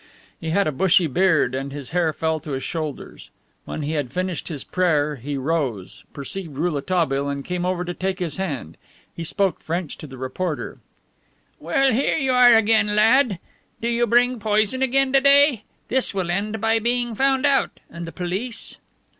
He had a bushy beard and his hair fell to his shoulders. When he had finished his prayer he rose, perceived Rouletabille and came over to take his hand. He spoke French to the reporter: "Well, here you are again, lad. Do you bring poison again to day? This will end by being found out, and the police..."